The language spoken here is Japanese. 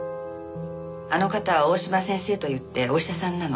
あの方は大嶋先生といってお医者さんなの。